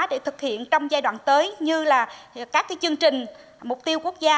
để thực hiện trong giai đoạn tới như là các chương trình mục tiêu quốc gia